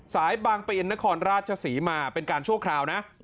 สายบางปินนครราชศรีมาเป็นการชั่วคราวนะ